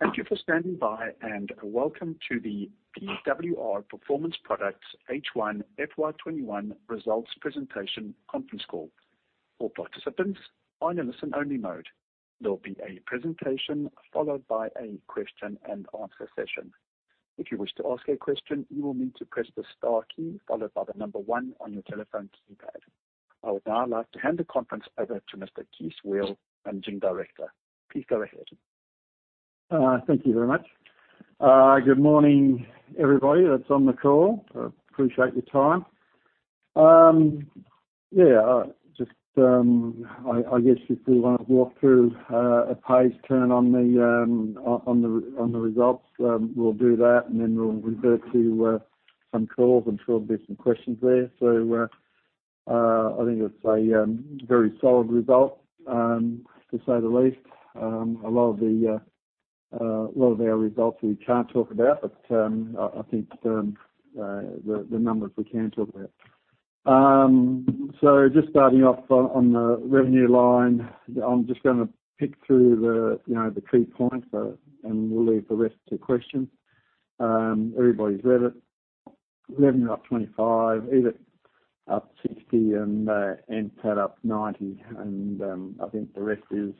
Thank you for standing by, and welcome to the PWR Performance Products H1 FY 2021 Results Presentation Conference Call. All participants are in listen only mode. There will be a presentation followed by a question-and-answer session. If you wish to ask a question, you will need to press the star key followed by the number one on your telephone keypad. I would now like to hand the conference over to Mr. Kees Weel, Managing Director. Please go ahead. Thank you very much. Good morning, everybody that's on the call. I appreciate your time. I guess if we want to walk through a page turn on the results, we'll do that. Then we'll revert to some calls. I'm sure there'll be some questions there. I think it's a very solid result, to say the least. A lot of our results we can't talk about, but I think the numbers we can talk about. Just starting off on the revenue line, I'm just going to pick through the key points, and we'll leave the rest to questions. Everybody's rev it. Revenue up 25%, EBIT up 60%, and NPAT up 90%. I think the rest is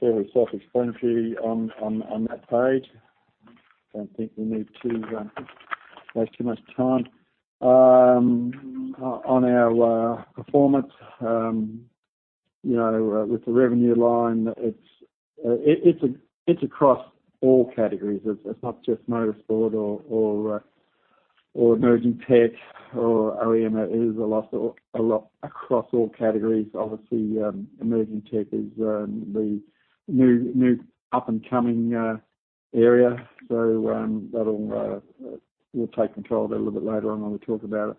fairly self-explanatory on that page. Don't think we need to waste too much time. On our performance with the revenue line, it's across all categories. It's not just motorsport or emerging tech or OEM. It is a lot across all categories. Obviously, emerging tech is the new up-and-coming area. We'll take control of it a little bit later on when we talk about it.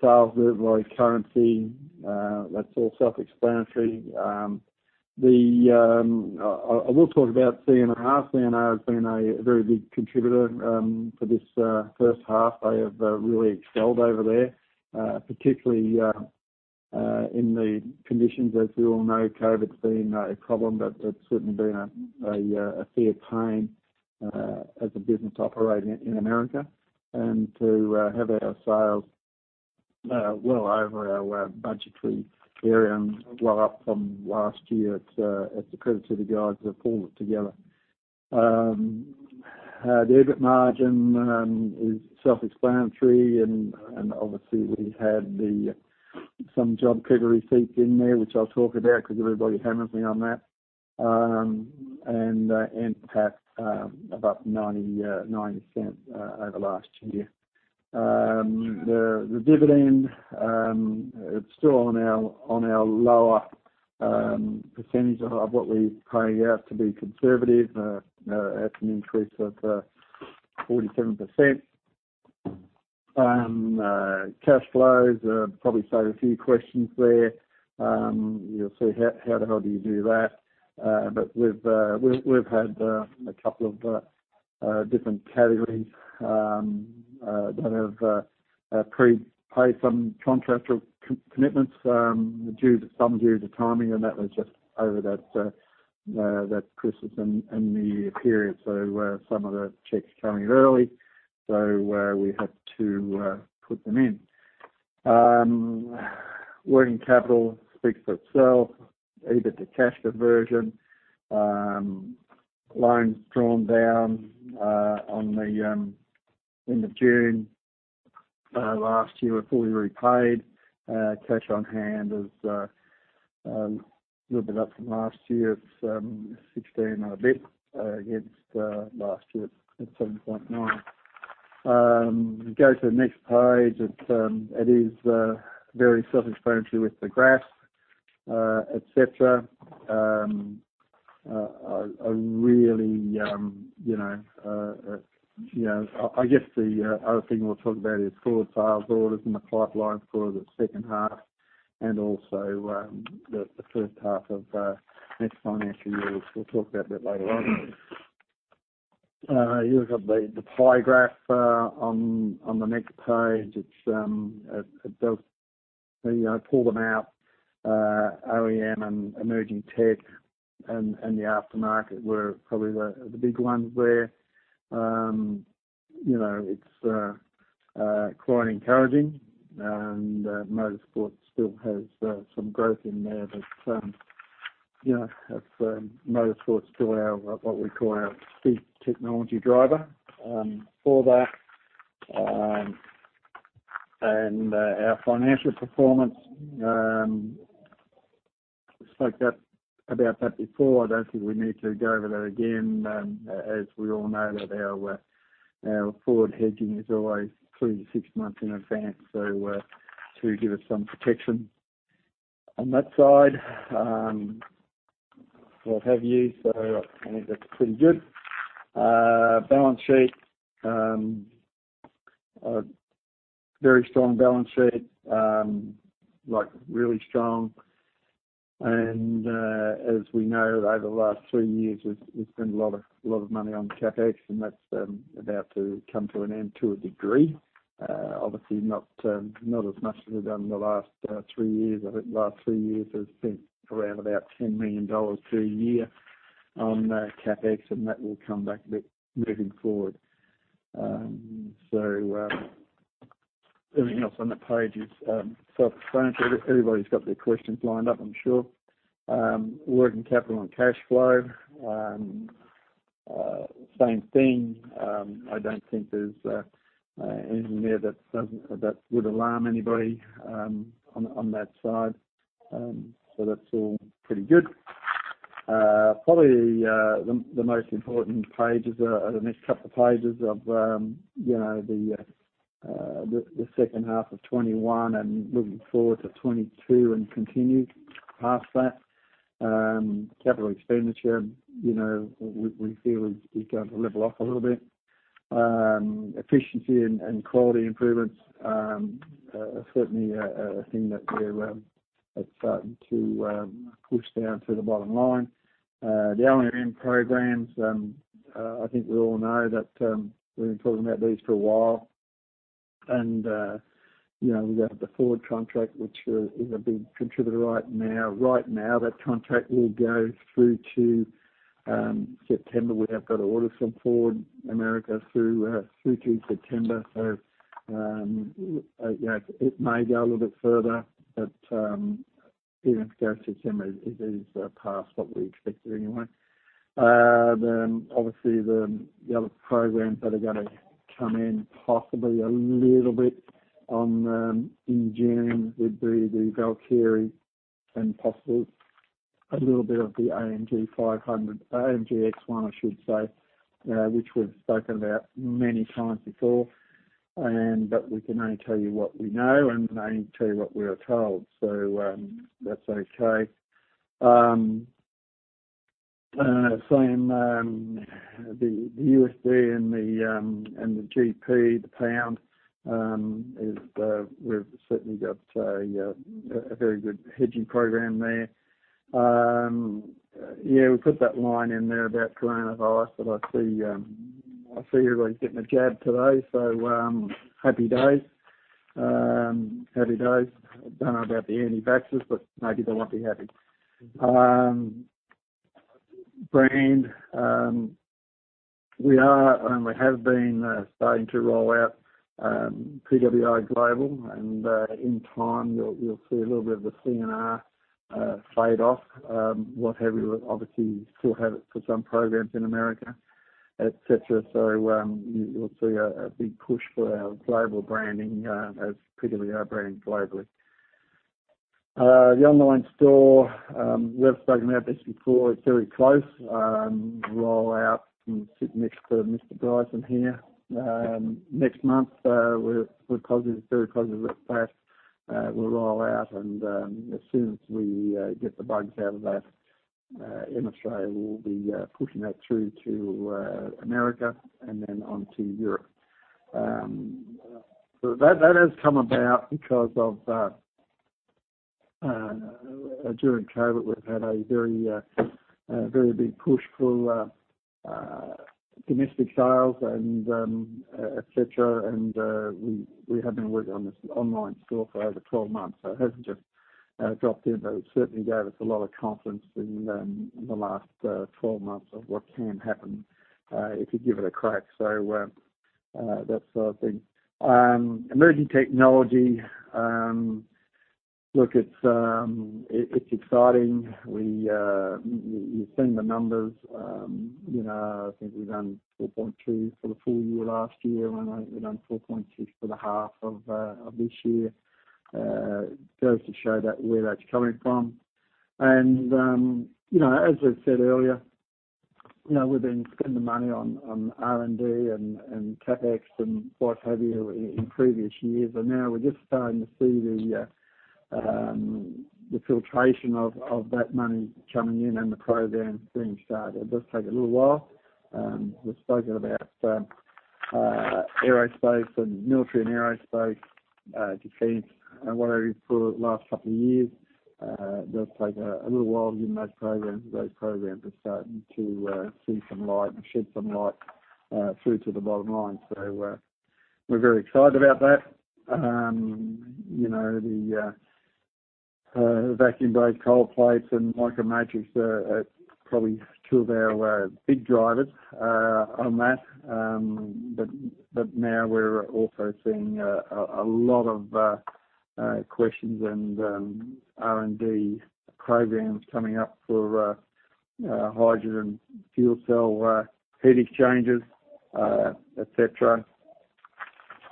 Sales versus currency, that's all self-explanatory. I will talk about C&R. C&R has been a very big contributor for this first half. They have really excelled over there, particularly in the conditions. As we all know, COVID's been a problem, it's certainly been a fair time as a business operating in America. To have our sales well over our budgetary area and well up from last year, it's a credit to the guys that pulled it together. The EBIT margin is self-explanatory, obviously, we had some JobKeeper receipts in there, which I'll talk about because everybody hammers me on that. NPAT of up 90% over last year. The dividend, it's still on our lower percentage of what we're paying out to be conservative at an increase of 47%. Cash flows, probably save a few questions there. You'll see how the hell do you do that? We've had a couple of different categories that have pre-paid some contractual commitments due to some years of timing, and that was just over that Christmas and New Year period. Some of the checks coming early, so we had to put them in. Working capital speaks for itself. EBIT to cash conversion. Loans drawn down end of June last year were fully repaid. Cash on hand is a little bit up from last year. It's 16 a bit against last year at 17.9. Go to the next page. It is very self-explanatory with the graphs, et cetera. I guess the other thing we'll talk about is forward sales orders in the pipeline for the second half and also the first half of next financial year. We'll talk about that later on. You've got the pie graph on the next page. It does pull them out. OEM and emerging tech and the aftermarket were probably the big ones where it's quite encouraging, and motorsport still has some growth in there. Motorsport's still what we call our speed technology driver for that. Our financial performance, spoke about that before. I don't think we need to go over that again, as we all know that our forward hedging is always three to six months in advance to give us some protection on that side, what have you. I think that's pretty good. Balance sheet. A very strong balance sheet, like really strong. As we know, over the last three years, we've spent a lot of money on CapEx, and that's about to come to an end to a degree. Obviously, not as much as we've done in the last three years. I think the last three years has been around about 10 million dollars per year on CapEx, and that will come back a bit moving forward. Everything else on that page is self-explanatory. Everybody's got their questions lined up, I'm sure. Working capital and cash flow, same thing. I don't think there's anything there that would alarm anybody on that side. That's all pretty good. Probably the most important pages are the next couple of pages of the second half of 2021 and looking forward to 2022 and continued past that. Capital expenditure, we feel is going to level off a little bit. Efficiency and quality improvements are certainly a thing that's starting to push down to the bottom line. The OEM programs, I think we all know that we've been talking about these for a while. We have the Ford contract, which is a big contributor right now. Right now, that contract will go through to September. We have got a order from Ford America through to September. It may go a little bit further, but even if it goes to September, it is past what we expected anyway. Obviously, the other programs that are gonna come in possibly a little bit in June would be the Valkyrie and possibly a little bit of the AMG 500, AMG ONE, I should say, which we've spoken about many times before. We can only tell you what we know and only tell you what we are told. That's okay. Same, the USD and the GBP, the pound, we've certainly got a very good hedging program there. Yeah, we put that line in there about coronavirus, but I see everybody's getting a jab today, so happy days. Happy days. Don't know about the anti-vaxxers, but maybe they won't be happy. Brand, we are and we have been starting to roll out PWR Global, and in time, you'll see a little bit of the C&R fade off, what have you. Obviously, you still have it for some programs in America, et cetera. You'll see a big push for our global branding as PWR branding globally. The online store, we have spoken about this before, it's very close. Roll out, I'm sitting next to Mr. Bryson here. Next month, we're very positive it'll pass. We'll roll out. As soon as we get the bugs out of that in Australia, we'll be pushing that through to America and then on to Europe. That has come about because of, during COVID, we've had a very big push for domestic sales, et cetera, and we have been working on this online store for over 12 months. It hasn't just dropped in, but it certainly gave us a lot of confidence in the last 12 months of what can happen if you give it a crack. That's the thing. Emerging technology, look, it's exciting. You've seen the numbers. I think we've done 4.2 for the full-year last year, and I think we've done 4.6 for the half of this year. Goes to show where that's coming from. As we've said earlier, we've been spending the money on R&D and CapEx and what have you in previous years, and now we're just starting to see the filtration of that money coming in and the programs being started. It does take a little while. We've spoken about aerospace and military and aerospace defense and whatever for the last couple of years. It does take a little while to get in those programs, but those programs are starting to see some light and shed some light through to the bottom line. We're very excited about that. The vacuum-based cold plates and Micro Matrix are probably two of our big drivers on that. Now we're also seeing a lot of questions and R&D programs coming up for hydrogen fuel cell heat exchangers, et cetera.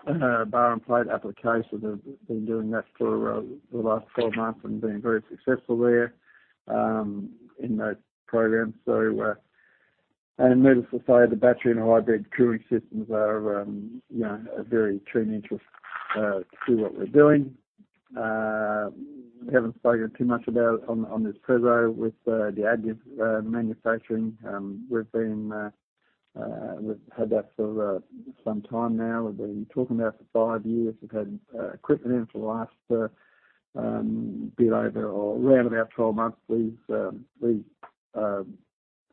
Bar and plate applications, have been doing that for the last 12 months and been very successful there in those programs. Needless to say, the battery and hybrid cooling systems are very strategic to what we're doing. We haven't spoken too much about on this [inaudible] with the additive manufacturing. We've had that for some time now. We've been talking about it for five years. We've had equipment in for the last bit over or around about 12 months.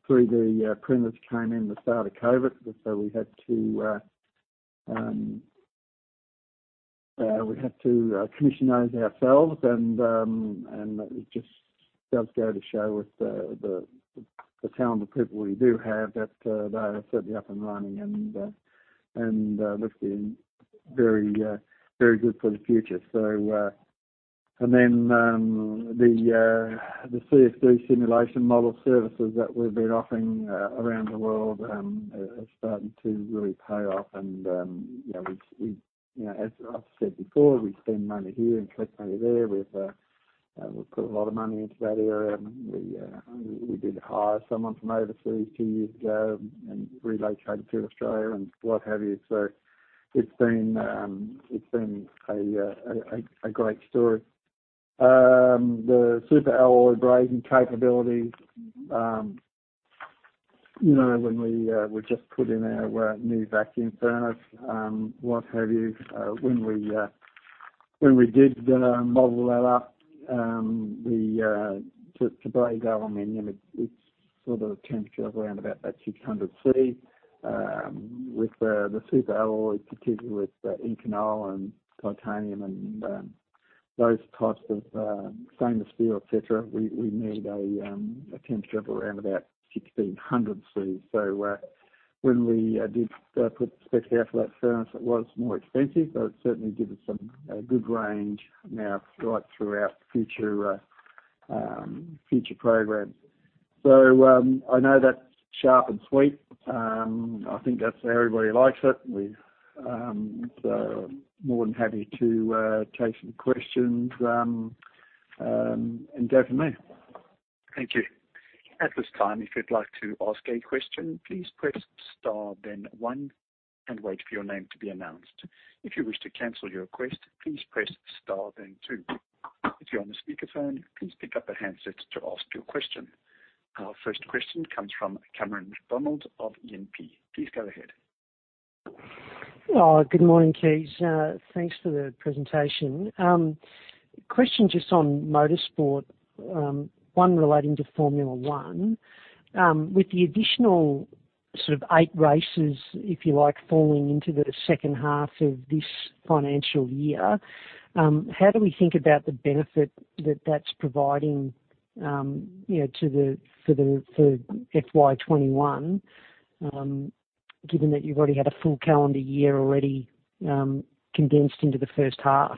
Through the premise came in the start of COVID, so we had to commission those ourselves, and it just does go to show with the talent of people we do have that they are certainly up and running and looking very good for the future. The CFD simulation model services that we've been offering around the world are starting to really pay off. As I've said before, we spend money here and collect money there. We've put a lot of money into that area, and we did hire someone from overseas two years ago and relocated to Australia and what have you. It's been a great story. The superalloy brazing capabilities, when we just put in our new vacuum furnace, what have you, when we did model that up to braze aluminum, it's sort of temperature of around about that 600 degrees celsius. With the superalloy, particularly with Inconel and titanium and those types of stainless steel, et cetera, we need a temperature of around about 1,600 degrees celsius. When we did put the spec out for that furnace, it was more expensive, but it certainly gives us a good range now throughout future programs. I know that's sharp and sweet. I think everybody likes it. We're more than happy to take some questions, and over to you. Our first question comes from Cameron McDonald of E&P. Please go ahead. Good morning, Kees. Thanks for the presentation. Question just on motorsport, one relating to Formula one. With the additional eight races, if you like, falling into the second half of this financial year, how do we think about the benefit that that's providing for FY 2021, given that you've already had a full calendar year already condensed into the first half?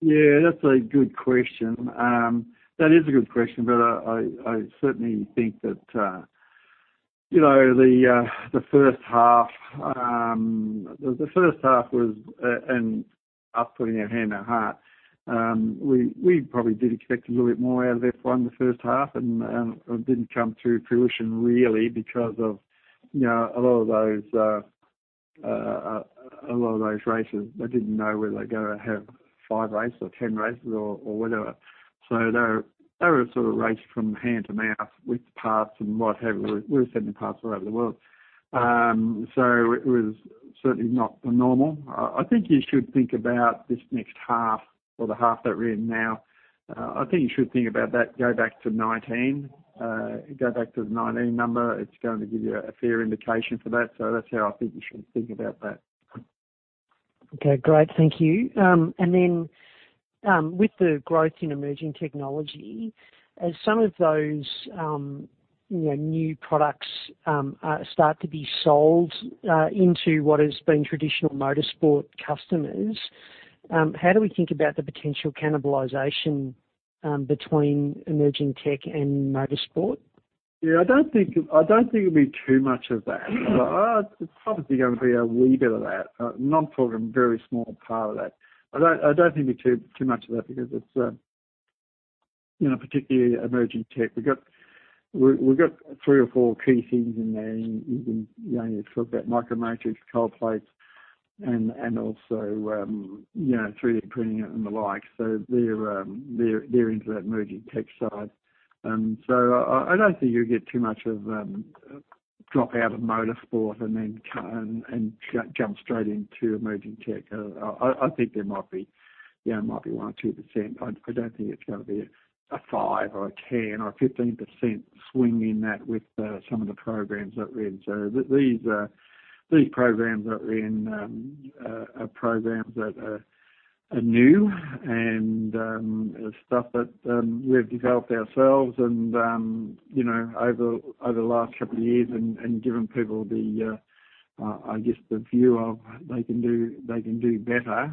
Yeah, that's a good question. That is a good question. I certainly think that the first half, and us putting our hand on our heart, we probably did expect a little bit more out of F1 in the first half, and it didn't come to fruition really because of a lot of those races, they didn't know were they were gonna have five races or 10 races or whatever. They were sort of racing from hand to mouth with parts and what have you. We were sending parts all over the world. It was certainly not the normal. I think you should think about this next half or the half that we're in now, I think you should think about that, go back to 2019 number. It's going to give you a fair indication for that. That's how I think you should think about that. Okay, great. Thank you. With the growth in emerging technology, as some of those new products start to be sold into what has been traditional motorsport customers, how do we think about the potential cannibalization between emerging tech and motorsport? Yeah, I don't think it'll be too much of that. There's obviously going to be a wee bit of that. I'm talking a very small part of that. I don't think it'll be too much of that because it's, particularly emerging tech. We've got three or four key things in there. You talk about Micro Matrix, cold plates, and also 3D printing it and the like. They're into that emerging tech side. I don't think you'll get too much of drop out of motorsport and then jump straight into emerging tech. I think there might be 1% or 2%. I don't think it's gonna be a 5% or a 10% or a 15% swing in that with some of the programs that we're in. These programs that we're in are programs that are new and stuff that we've developed ourselves over the last couple of years and given people, I guess, the view of they can do better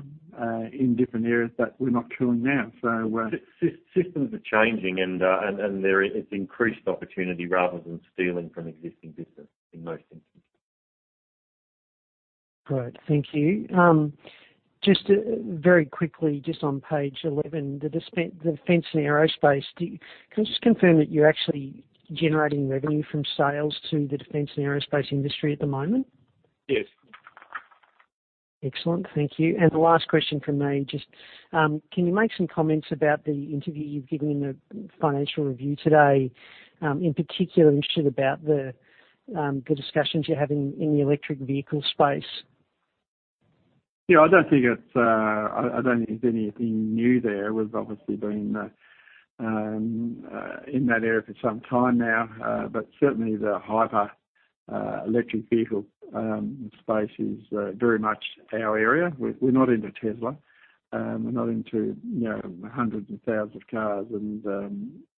in different areas that we're not doing now. Systems are changing, and there is increased opportunity rather than stealing from existing business in most instances. Great. Thank you. Just very quickly, just on page 11, the defense and aerospace. Can you just confirm that you're actually generating revenue from sales to the defense and aerospace industry at the moment? Yes. Excellent. Thank you. The last question from me, just can you make some comments about the interview you've given in the Financial Review today? In particular, I'm interested about the discussions you have in the electric vehicle space. Yeah, I don't think there's anything new there. We've obviously been in that area for some time now. Certainly the hyper-electric vehicle space is very much our area. We're not into Tesla. We're not into hundreds and thousands of cars and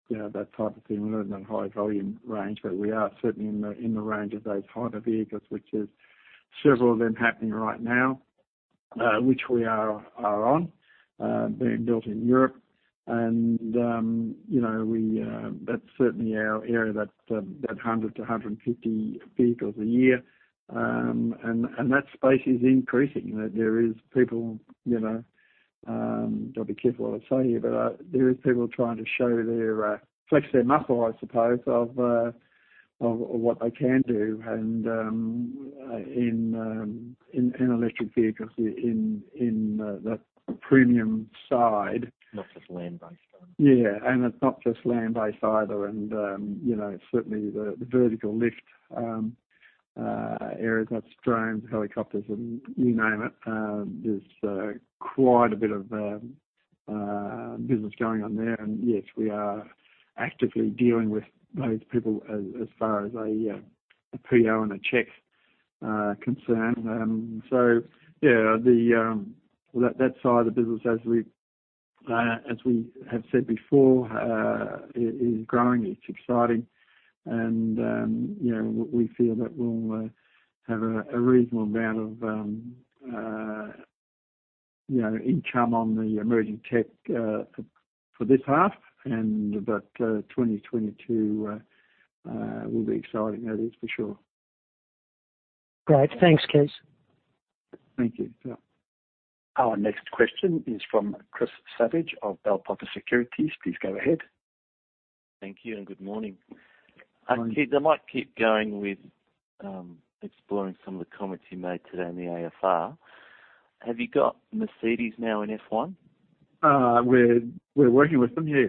that type of thing. We're not in the high-volume range, but we are certainly in the range of those hybrid vehicles, which is several of them happening right now, which we are on, being built in Europe. That's certainly our area, that 100-150 vehicles a year. Got to be careful what I say here, but there are people trying to flex their muscle, I suppose, of what they can do and in electric vehicles in the premium side. Not just land-based ones. Yeah. It's not just land-based either. Certainly the vertical lift areas, that's drones, helicopters, and you name it. There's quite a bit of business going on there. Yes, we are actively dealing with those people as far as a PO and a check are concerned. Yeah, that side of the business, as we have said before, is growing. It's exciting. We feel that we'll have a reasonable amount of income on the emerging tech, for this half, and that 2022 will be exciting, that is for sure. Great. Thanks, Kees. Thank you. Yep. Our next question is from Chris Savage of Bell Potter Securities. Please go ahead. Thank you and good morning. Morning. Kees, I might keep going with exploring some of the comments you made today on the AFR. Have you got Mercedes now in F1? We're working with them, yeah.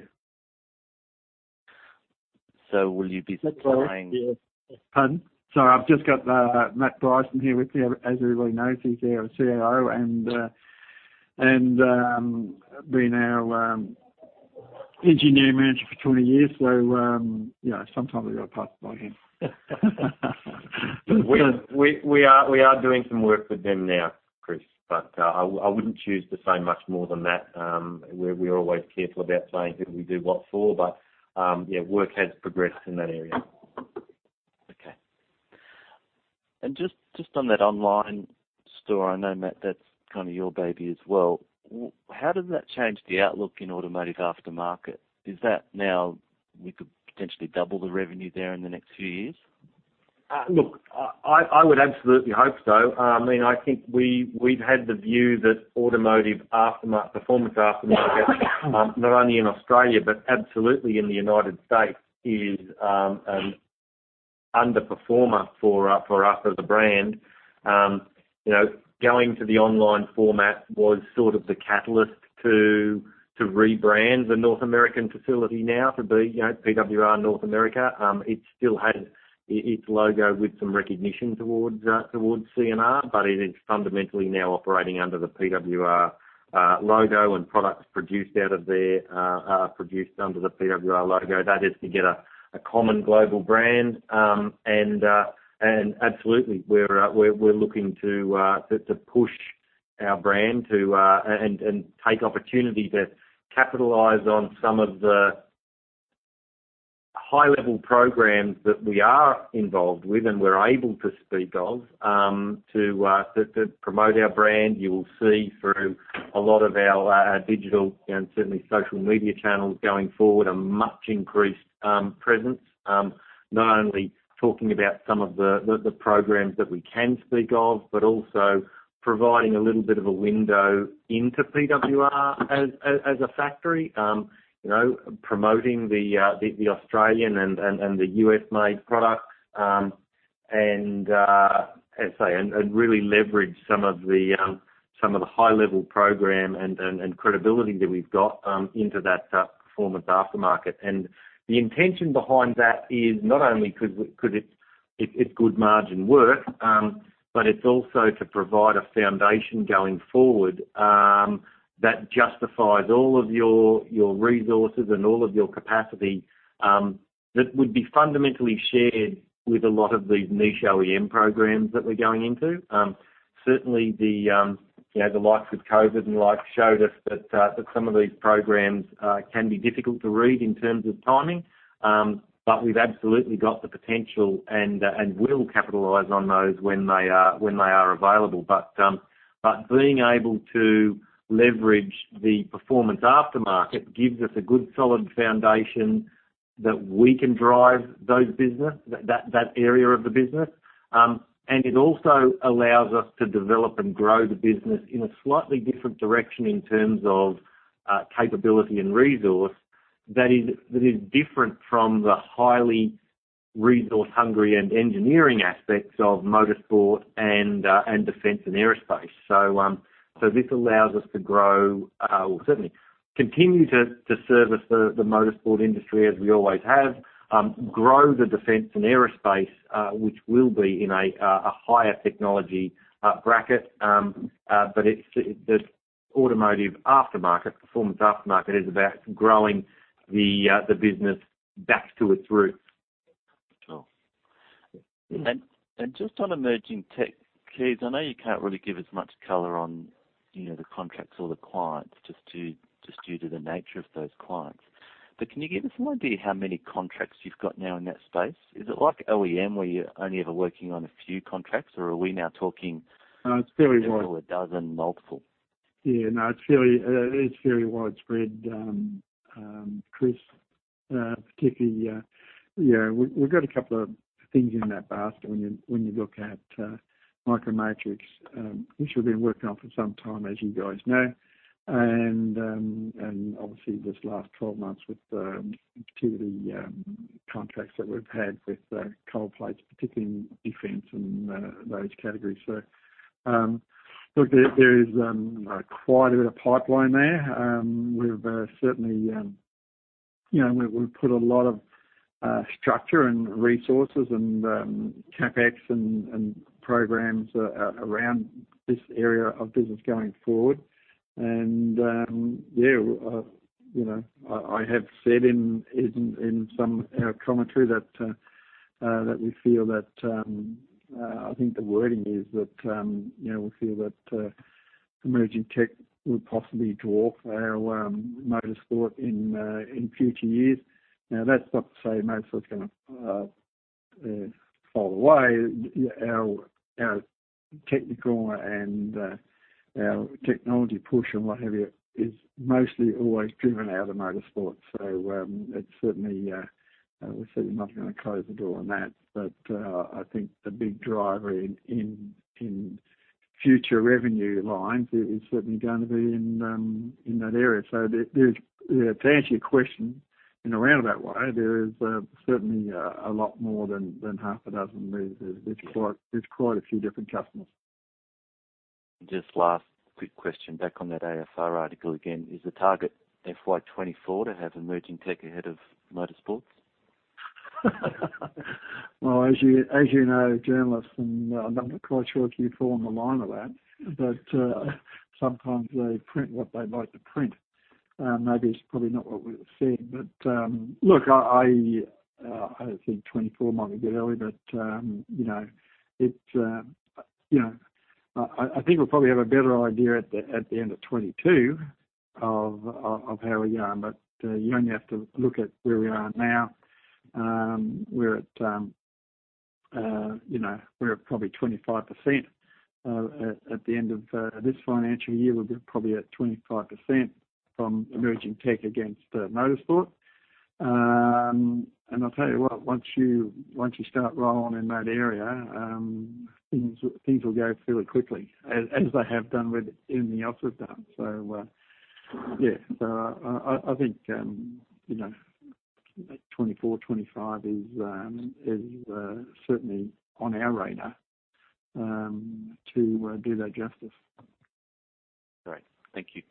So will you be supplying Matt Bryson. Pardon? Sorry, I've just got Matt Bryson here with me. As everybody knows, he's our COO and been our engineering manager for 20 years, so sometimes we get passed by him. We are doing some work with them now, Chris, but I wouldn't choose to say much more than that. We're always careful about saying who we do what for, but, yeah, work has progressed in that area. Okay. Just on that online store, I know, Matt, that's kind of your baby as well. How does that change the outlook in automotive aftermarket? Is that now we could potentially double the revenue there in the next few years? Look, I would absolutely hope so. I think we've had the view that automotive performance aftermarket, not only in Australia but absolutely in the United States, is an underperformer for us as a brand. Going to the online format was sort of the catalyst to rebrand the North American facility now to be PWR North America. It still has its logo with some recognition towards C&R, but it is fundamentally now operating under the PWR logo, and products produced out of there are produced under the PWR logo. That is to get a common global brand. Absolutely, we're looking to push our brand and take opportunity to capitalize on some of the high-level programs that we are involved with and we're able to speak of, to promote our brand. You will see through a lot of our digital and certainly social media channels going forward, a much increased presence, not only talking about some of the programs that we can speak of, but also providing a little bit of a window into PWR as a factory. Promoting the Australian and the U.S. made products, and really leverage some of the high-level program and credibility that we've got into that performance aftermarket. The intention behind that is not only because it's good margin work, but it's also to provide a foundation going forward, that justifies all of your resources and all of your capacity, that would be fundamentally shared with a lot of these niche OEM programs that we're going into. Certainly, the likes of COVID and the like showed us that some of these programs can be difficult to read in terms of timing. We've absolutely got the potential and will capitalize on those when they are available. Being able to leverage the performance aftermarket gives us a good, solid foundation that we can drive that area of the business. It also allows us to develop and grow the business in a slightly different direction in terms of capability and resource that is different from the highly resource-hungry and engineering aspects of motorsport and defense and aerospace. This allows us to certainly continue to service the motorsport industry as we always have, grow the defense and aerospace, which will be in a higher technology bracket. Automotive aftermarket, performance aftermarket is about growing the business back to its roots. Sure. Just on emerging tech, Kees, I know you can't really give us much color on the contracts or the clients, just due to the nature of those clients. Can you give us an idea how many contracts you've got now in that space? Is it like OEM, where you're only ever working on a few contracts, or are we now talking? It's very Several dozen, multiple? Yeah, no, it's very widespread, Chris, particularly, we've got a couple of things in that basket when you look at Micro Matrix, which we've been working on for some time, as you guys know. Obviously, this last 12 months with particularly contracts that we've had with cold plates, particularly in defense and those categories. Look, there is quite a bit of pipeline there. We've certainly put a lot of structure and resources and CapEx and programs around this area of business going forward. Yeah, I have said in some commentary that we feel that, I think the wording is that, we feel that emerging tech will possibly dwarf our motorsport in future years. Now, that's not to say motorsport's gonna fall away. Our technical and our technology push and what have you, is mostly always driven out of motorsport. We're certainly not going to close the door on that. I think the big driver in future revenue lines is certainly going to be in that area. To answer your question, in a roundabout way, there is certainly a lot more than half a dozen. There's quite a few different customers. Just last quick question back on that AFR article again. Is the target FY 2024 to have emerging tech ahead of motorsports? Well, as you know, journalists, and I'm not quite sure if you'd fall in the line of that, sometimes they print what they'd like to print. Maybe it's probably not what we've said, but, look, I think 2024 might be a bit early, but I think we'll probably have a better idea at the end of 2022 of how we are. You only have to look at where we are now. We're at probably 25% at the end of this financial year. We'll be probably at 25% from emerging tech against motorsport. I'll tell you what, once you start rolling in that area, things will go fairly quickly, as they have done with anything else we've done. Yeah. I think, 2024, 2025 is certainly on our radar to do that justice. Great. Thank you.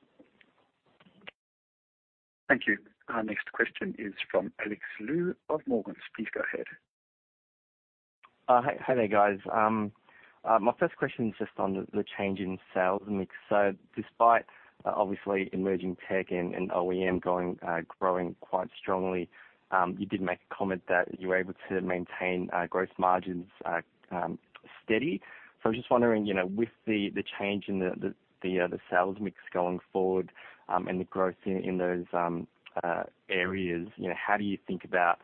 Thank you. Our next question is from Alexander Lu of Morgans. Please go ahead. Hi there, guys. My first question is just on the change in sales mix. Despite obviously emerging tech and OEM growing quite strongly, you did make a comment that you were able to maintain gross margins steady. I was just wondering, with the change in the sales mix going forward, and the growth in those areas, how do you think about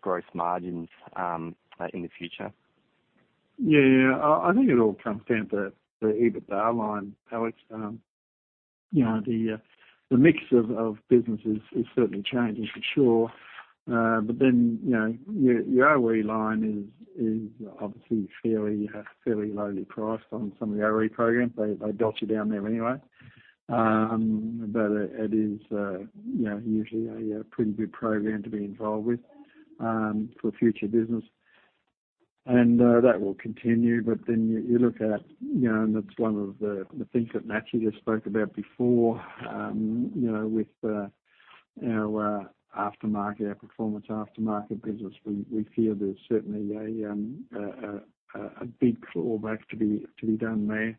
gross margins in the future? Yeah. I think it all comes down to the EBITDA line, Alex. The mix of businesses is certainly changing, for sure. Your OE line is obviously fairly lowly priced on some of the OE programs. They dot you down there anyway. It is usually a pretty good program to be involved with, for future business. That will continue. You look at, and that's one of the things that Matthew just spoke about before, with our aftermarket, our performance aftermarket business, we feel there's certainly a big clawback to be done there.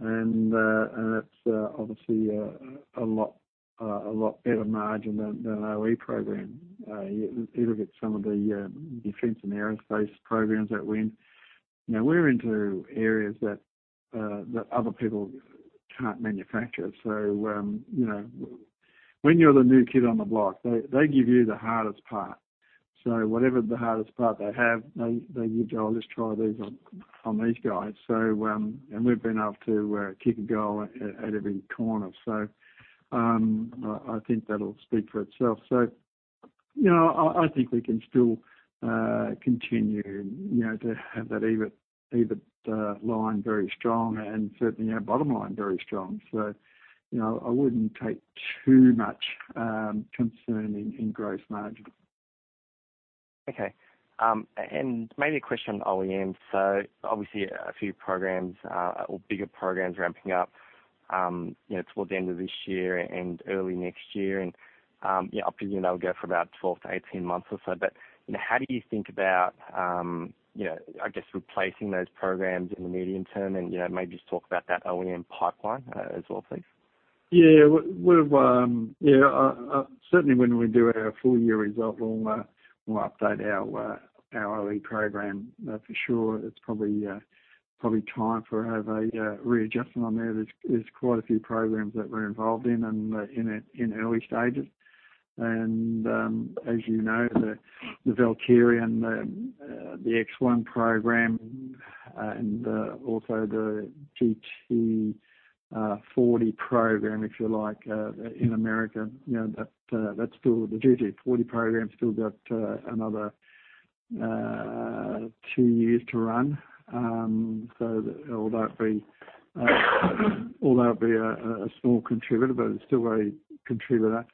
That's obviously a lot better margin than an OE program. You look at some of the defense and aerospace programs that win. We're into areas that other people can't manufacture. When you're the new kid on the block, they give you the hardest part. Whatever the hardest part they have, they go, "Let's try these on these guys." We've been able to kick a goal out of every corner. I think that'll speak for itself. I think we can still continue to have that EBIT line very strong and certainly our bottom line very strong. I wouldn't take too much concern in gross margins. Okay. Maybe a question on OEM. Obviously a few programs or bigger programs ramping up towards the end of this year and early next year, and hopefully they'll go for about 12-18 months or so. How do you think about, I guess, replacing those programs in the medium-term and, maybe just talk about that OEM pipeline as well, please? Certainly, when we do our full-year result, we'll update our OE program, for sure. It's probably time for a readjustment on there. There's quite a few programs that we're involved in and in early stages. As you know, the Valkyrie and the X1 program and also the GT40 program, if you like, in America, the GT40 program's still got another two years to run. Although it'll be a small contributor, but it's still a contributor.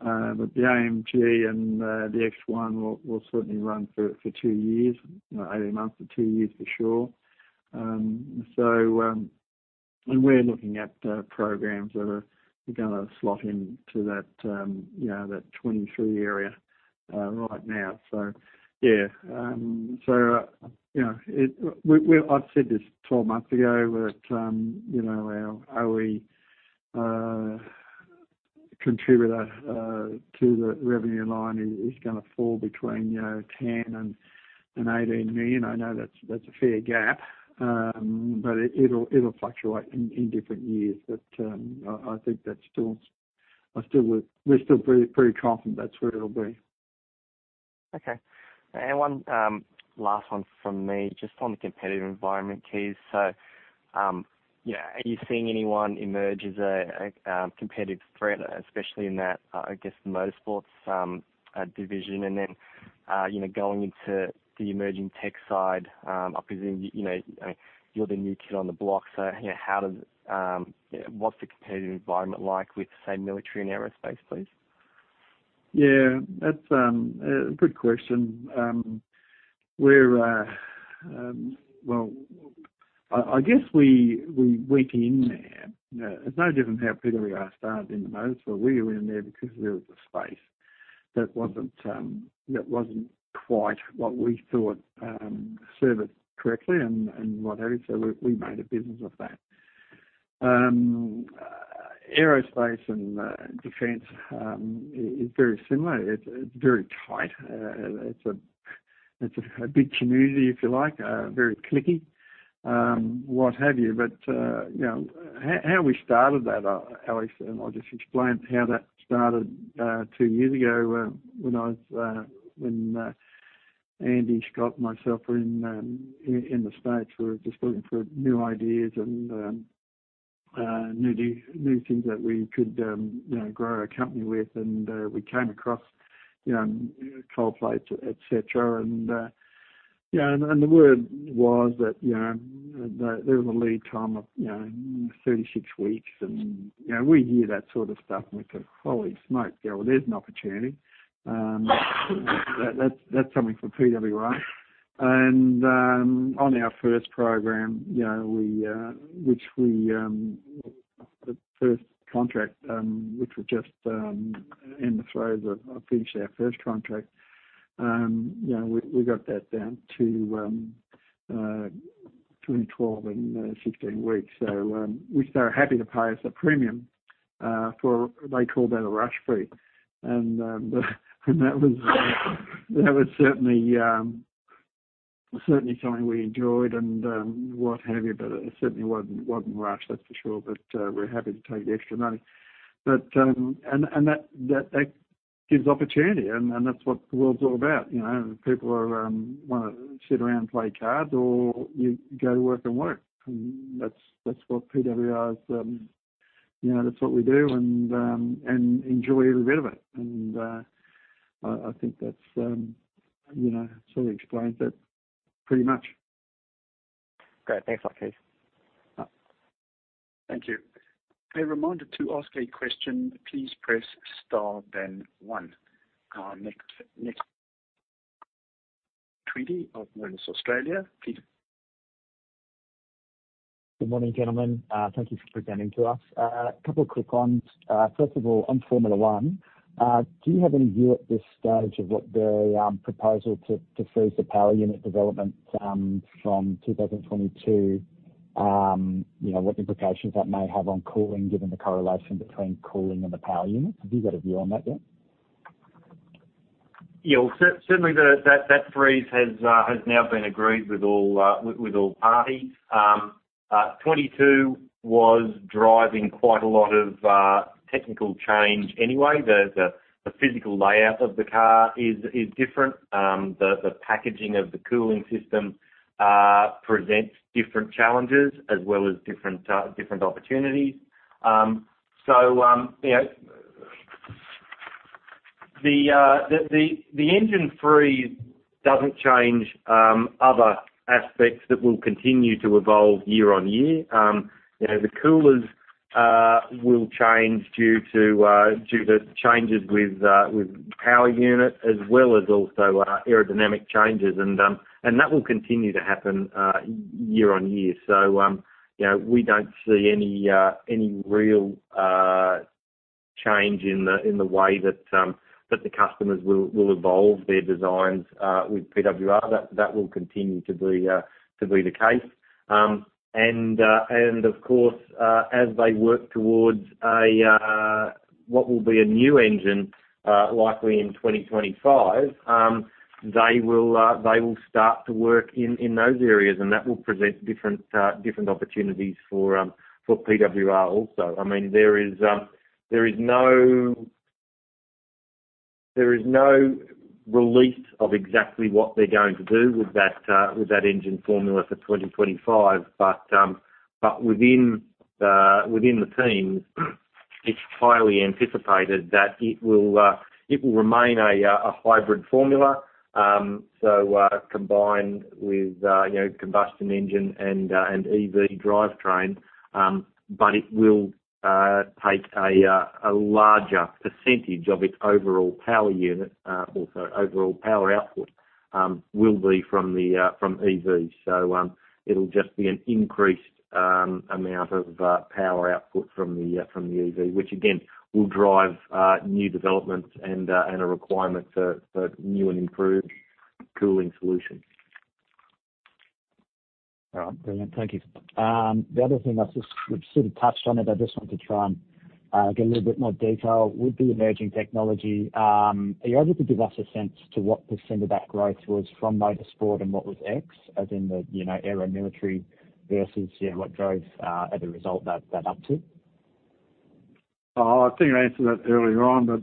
The AMG and the X1 will certainly run for 18 months to two years, for sure. We're looking at programs that are going to slot into that 2023 area right now. I've said this 12 months ago that our OE contributor to the revenue line is going to fall between 10 million-18 million. I know that's a fair gap, it'll fluctuate in different years. We're still pretty confident that's where it'll be. Okay. One last one from me, just on the competitive environment, Kees. Are you seeing anyone emerge as a competitive threat, especially in that, I guess, the motorsports division? Going into the emerging tech side, I presume, you're the new kid on the block, so what's the competitive environment like with, say, military and aerospace, please? Yeah. That's a good question. Well, I guess we went in there, it's no different how PWR started in the motorsport. We went in there because there was a space that wasn't quite what we thought serviced correctly and what have you. We made a business of that. Aerospace and defense is very similar. It's very tight. It's a big community, if you like, very cliquey, what have you. How we started that, Alex, and I'll just explain how that started two years ago, when Andrew Scott and myself were in the States. We were just looking for new ideas and new things that we could grow a company with, we came across cold plates, et cetera. The word was that there was a lead time of 36 weeks, and we hear that sort of stuff, and we go, "Holy smoke, well, there's an opportunity." That's something for PWR. On our first program, the first contract, which we're just in the throes of finishing our first contract, we got that down to between 12 and 16 weeks. Which they were happy to pay us a premium for, they call that a rush fee. That was certainly something we enjoyed and what have you, but it certainly wasn't rushed, that's for sure. We're happy to take the extra money. That gives opportunity, and that's what the world's all about. People want to sit around and play cards, or you go to work and work. That's what PWR does. That's what we do, and enjoy every bit of it. I think that sort of explains that pretty much. Great. Thanks a lot, Kees. No. Thank you. A reminder, to ask a question, please press star, then one. Our next, Tom Tweedie of Moelis Australia. Good morning, gentlemen. Thank you for presenting to us. A couple of quick ones. First of all, on Formula one, do you have any view at this stage of what the proposal to freeze the power unit developments from 2022, what implications that may have on cooling given the correlation between cooling and the power units? Have you got a view on that yet? Certainly, that freeze has now been agreed with all parties. 2022 was driving quite a lot of technical change anyway. The physical layout of the car is different. The packaging of the cooling system presents different challenges as well as different opportunities. The engine freeze doesn't change other aspects that will continue to evolve year on year. The coolers will change due to changes with power unit as well as also aerodynamic changes. That will continue to happen year on year. We don't see any real change in the way that the customers will evolve their designs with PWR. That will continue to be the case. Of course, as they work towards what will be a new engine, likely in 2025, they will start to work in those areas, and that will present different opportunities for PWR also. There is no release of exactly what they're going to do with that engine formula for 2025. Within the team it's highly anticipated that it will remain a hybrid formula. Combined with combustion engine and EV drivetrain, but it will take a larger percentage of its overall power unit, also overall power output, will be from EV. It'll just be an increased amount of power output from the EV, which again, will drive new developments and a requirement for new and improved cooling solutions. All right. Brilliant. Thank you. The other thing, we've sort of touched on it, I just want to try and get a little bit more detail, with the emerging technology, are you able to give us a sense to what % of that growth was from motorsport and what was X, as in the Aero military versus what drove as a result that uptick? I think I answered that earlier on. I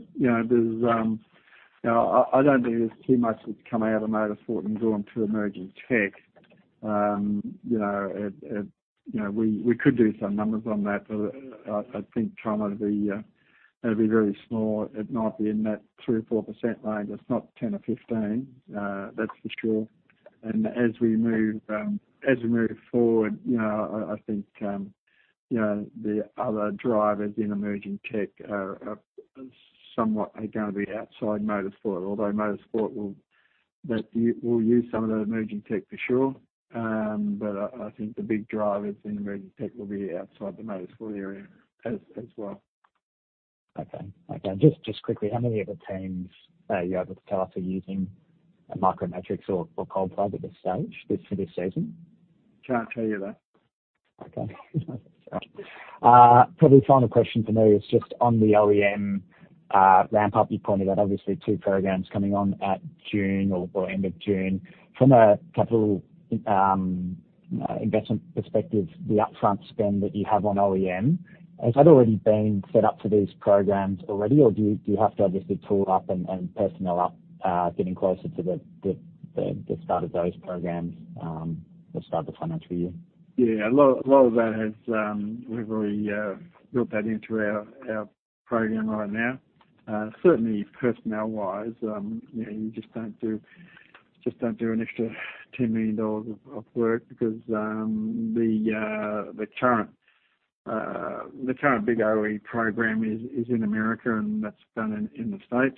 don't think there's too much that's come out of motorsport and gone to emerging tech. We could do some numbers on that. I think trying to be very small, it might be in that three or 4% range. It's not 10 or 15, that's for sure. As we move forward, I think the other drivers in emerging tech are somewhat going to be outside motorsport, although motorsport will use some of the emerging tech for sure. I think the big drivers in emerging tech will be outside the motorsport area as well. Okay. Just quickly, how many of the teams are you able to tell us are using a Micro Matrix or cold plate at this stage, for this season? Can't tell you that. Okay. Probably final question from me is just on the OEM ramp-up. You pointed out obviously two programs coming on at June or end of June. From a capital investment perspective, the upfront spend that you have on OEM, has that already been set up for these programs already, or do you have to obviously tool up and personnel up getting closer to the start of those programs, the start of the financial year? Yeah. A lot of that, we've already built that into our program right now. Certainly personnel-wise, you just don't do an extra 10 million dollars of work because the current big OEM program is in the U.S., and that's done in the U.S.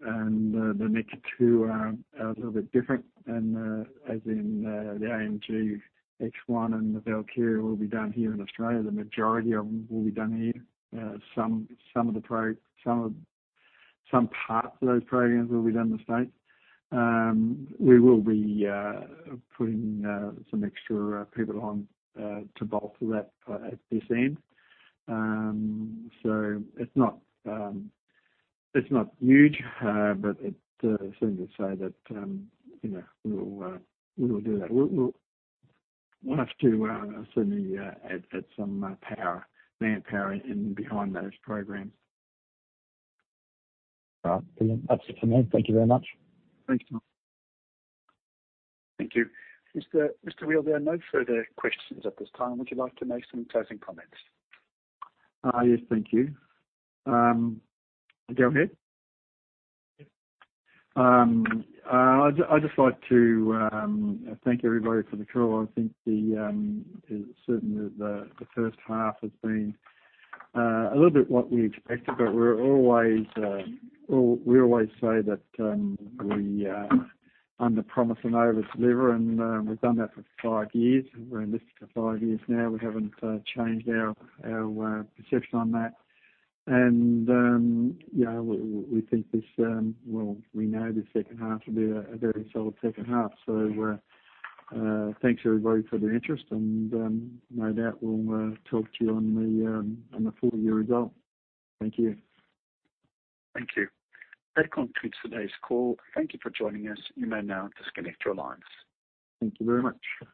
The next two are a little bit different as in the AMG ONE and the Valkyrie will be done here in Australia. The majority of them will be done here. Some parts of those programs will be done in the U.S. We will be putting some extra people on to bolster that at this end. It's not huge, but it's fair to say that we'll do that. We'll have to certainly add some manpower in behind those programs. All right. That's it from me. Thank you very much. Thanks, Tom. Thank you. Mr. Weel, there are no further questions at this time. Would you like to make some closing comments? Yes. Thank you. Go ahead? I'd just like to thank everybody for the call. I think certainly the first half has been a little bit what we expected, but we always say that we underpromise and overdeliver, and we've done that for five years. We're in this for five years now. We haven't changed our perception on that. We know the second half will be a very solid second half. Thanks everybody for the interest and no doubt we'll talk to you on the full-year result. Thank you. Thank you. That concludes today's call. Thank you for joining us. You may now disconnect your lines. Thank you very much.